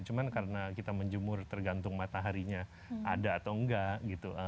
cuma karena kita menjemur tergantung mataharinya ada atau enggak gitu